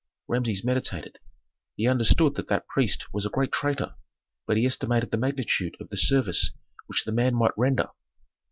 Rameses meditated. He understood that that priest was a great traitor, but he estimated the magnitude of the service which the man might render.